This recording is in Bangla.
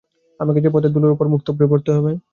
আমাকে যে পথের ধুলোর উপর মুখ থুবড়ে পড়তে হবে!